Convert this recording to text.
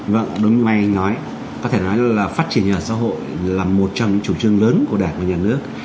vâng đúng như may nói có thể nói là phát triển nhà ở xã hội là một trong những chủ trương lớn của đảng và nhà nước